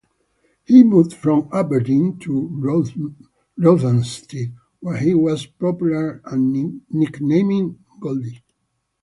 He moved from Aberdeen to Rothamsted, where he was popular and nicknamed 'Goldie'.